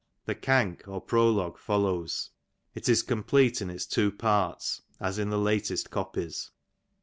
"" The Cank or prologue follows ; it is complete in its two parts, as in the latest copies.